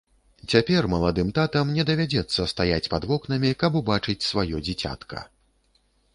Цяпер маладым татам не давядзецца стаяць пад вокнамі, каб убачыць сваё дзіцятка.